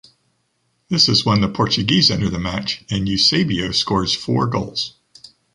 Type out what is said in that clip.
This is when the Portuguese enter the match and Eusebio scores four goals.